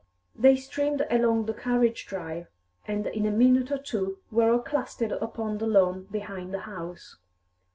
They streamed along the carriage drive, and in a minute or two were all clustered upon the lawn behind the house.